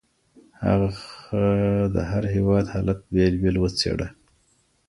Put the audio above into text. هغه د هر هېواد حالت بېل بېل وڅېړه.